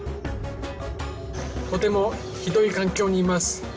とてもひどい環境にいます。